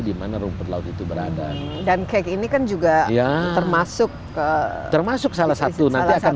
dimana rumput laut itu berada dan kek ini kan juga termasuk termasuk salah satu nanti akan